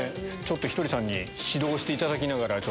ひとりさんに指導をしていただきながら。